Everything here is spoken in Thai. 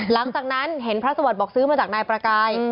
หลังจากนั้นเห็นพระสวัสดิ์บอกซื้อมาจากนายประกาย